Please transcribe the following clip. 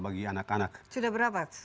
bagi anak anak sudah berapa